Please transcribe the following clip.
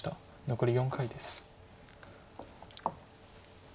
残り４回です。